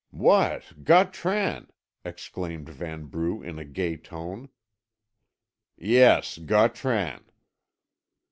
"What, Gautran!" exclaimed Vanbrugh in a gay tone. "Yes, Gautran."